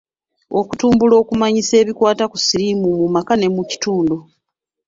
Okutumbula okumanyisa ebikwata ku siriimu mu maka ne mu kitundu.